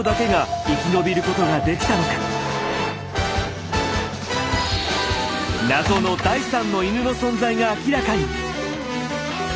そして謎の第３の犬の存在が明らかに！